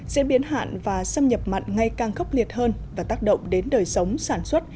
sẽ biến hạn và xâm nhập mặn ngay càng khốc liệt hơn và tác động đến đời sống sản xuất